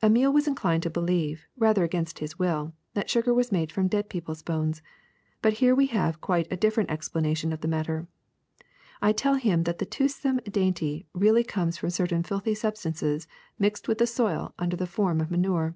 Emile was inclined to believe, rather against his will, that sugar was made from dead people's bones; but here we have quite a different explanation of the matter : I tell him that the toothsome dainty really comes from certain filthy substances mixed with the soil under the form of manure.